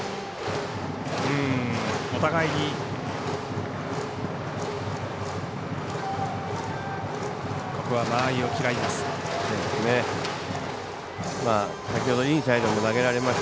お互いに、間合いを嫌います。